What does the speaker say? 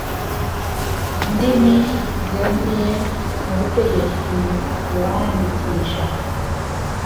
Ndimi zemewe mu butegetsi uwandikisha